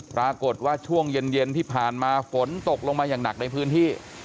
ปรากฏว่าช่วงเย็นที่ผ่านมาฝนตกลงมาอย่างหนักในพื้นที่